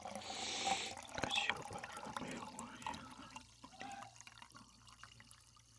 کہ جیوپیٹر ءَ مہر گوٛرآئی ءَ درّائینت منی اُردلُک